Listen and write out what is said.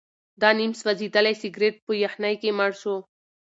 دا نیم سوځېدلی سګرټ په یخنۍ کې مړ شو.